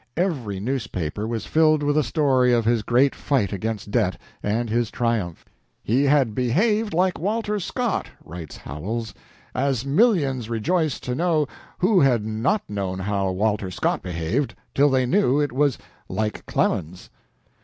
Every newspaper was filled with the story of his great fight against debt, and his triumph. "He had behaved like Walter Scott," writes Howells, "as millions rejoiced to know who had not known how Walter Scott behaved till they knew it was like Clemens."